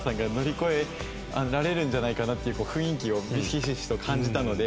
乗り越えられるんじゃないかなっていう雰囲気をひしひしと感じたので。